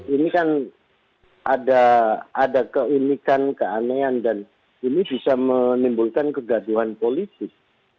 ini kan ada keunikan keanehan dan ini bisa menimbulkan kegaduhan politik